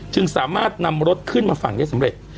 จึงสามารถนำรถขึ้นมาฝั่งได้สำเร็จ